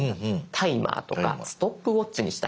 タイマーとかストップウォッチにしたいんだ。